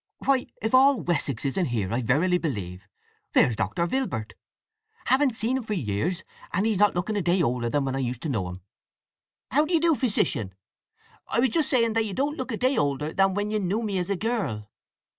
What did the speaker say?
— Why, if all Wessex isn't here, I verily believe! There's Dr. Vilbert. Haven't seen him for years, and he's not looking a day older than when I used to know him. How do you do, Physician? I was just saying that you don't look a day older than when you knew me as a girl."